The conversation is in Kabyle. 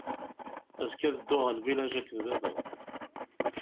Azekka ad dduɣ ɣer lbilaǧ akked baba.